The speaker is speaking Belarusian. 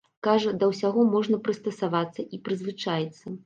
Кажа, да ўсяго можна прыстасавацца і прызвычаіцца.